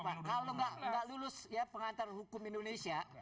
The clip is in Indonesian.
kalau nggak lulus ya pengantar hukum indonesia